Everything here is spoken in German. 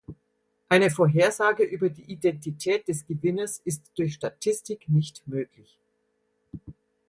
Eine Vorhersage über die Identität des Gewinners ist durch Statistik nicht möglich.